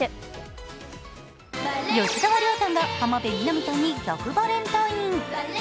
吉沢亮さんが浜辺美波さんに逆バレンタイン。